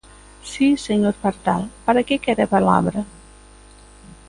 Si, señor Pardal, ¿para que quere a palabra?